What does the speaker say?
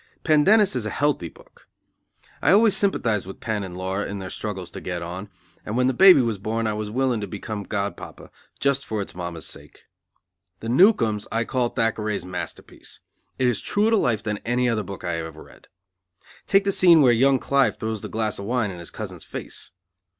Pendennis is a healthy book. I always sympathize with Pen and Laura in their struggles to get on, and when the baby was born I was willing to become Godpapa, just for its Mamma's sake. The Newcomes I call Thackeray's masterpiece. It is truer to life than any other book I ever read. Take the scene where young Clive throws the glass of wine in his cousin's face.